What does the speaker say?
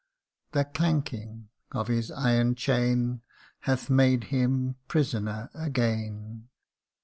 The clanking of his iron chain Hath made him prisoner again